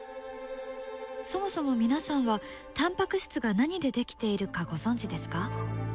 そもそも皆さんはタンパク質が何で出来ているかご存じですか？